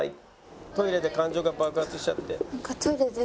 「トイレで感情が爆発しちゃって」。